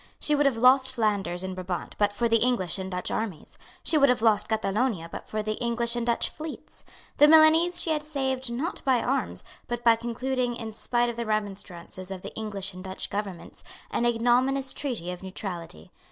She would have lost Flanders and Brabant but for the English and Dutch armies. She would have lost Catalonia but for the English and Dutch fleets. The Milanese she had saved, not by arms, but by concluding, in spite of the remonstrances of the English and Dutch governments, an ignominious treaty of neutrality.